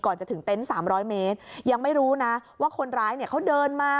จะถึงเต็นต์สามร้อยเมตรยังไม่รู้นะว่าคนร้ายเนี่ยเขาเดินมา